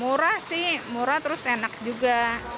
murah sih murah terus enak juga